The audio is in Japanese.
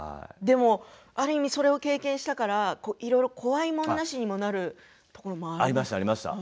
ある意味それを経験したから怖いものなしにもなるところもありますか？